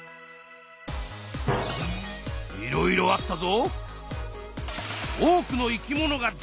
いろいろあったぞ。